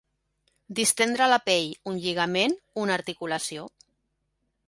Distendre la pell, un lligament, una articulació.